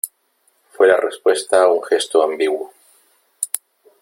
fué la respuesta un gesto ambiguo :